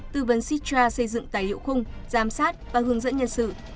tư vấn sistra xây dựng tài liệu khung giám sát và hướng dẫn nhân sự